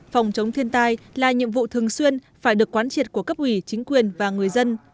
phòng chống thiên tai là nhiệm vụ thường xuyên phải được quán triệt của cấp ủy chính quyền và người dân